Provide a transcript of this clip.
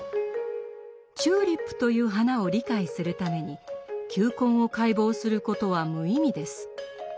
チューリップという花を理解するために球根を解剖することは無意味です。